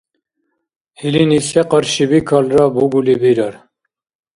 Илини се къаршибикалра бугули бирар.